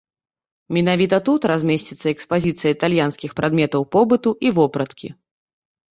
Менавіта тут размесціцца экспазіцыя італьянскіх прадметаў побыту і вопраткі.